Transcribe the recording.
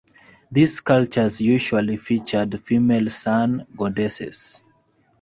These cultures usually featured female Sun goddesses.